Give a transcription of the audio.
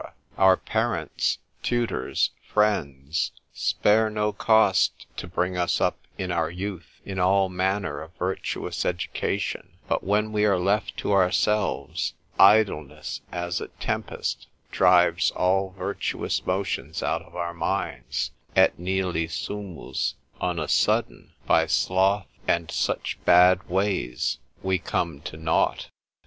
Our parents, tutors, friends, spare no cost to bring us up in our youth, in all manner of virtuous education; but when we are left to ourselves, idleness as a tempest drives all virtuous motions out of our minds, et nihili sumus, on a sudden, by sloth and such bad ways, we come to nought.